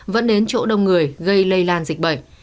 vẫn đến chỗ đông người gây lây lan dịch bệnh